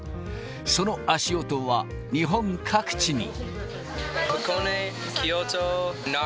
その足音は日本各地に。